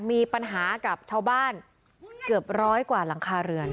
มีปัญหากับชาวบ้านเกือบร้อยกว่าหลังคาเรือน